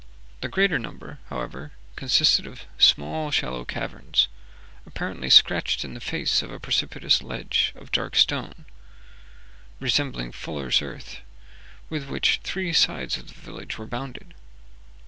The greater number, however, consisted of small shallow caverns, apparently scratched in the face of a precipitous ledge of dark stone, resembling fuller's earth, with which three sides of the village were bounded.